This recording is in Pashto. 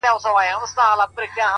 زما نشه زما پیاله له ساقي ځکه لاړه